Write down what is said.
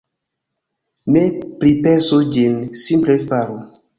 Ne pripensu ĝin, simple faru.